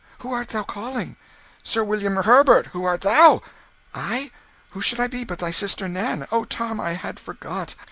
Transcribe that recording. "Who art thou calling?" "Sir William Herbert. Who art thou?" "I? Who should I be, but thy sister Nan? Oh, Tom, I had forgot!